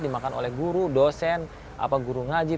dimakan oleh guru dosen guru ngaji